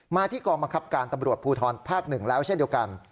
มาที่กองบังคับการตำรวจภูทรภาค๑แล้วเช่นเดียวกัน